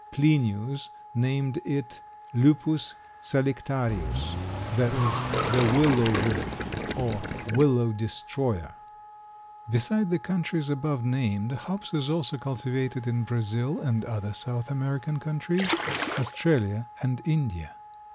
Plinius named it Lupus salictarius, that is, the willow wolf or willow destroyer. Beside the countries above named hops is also cultivated in Brazil and other South American countries, Australia and India.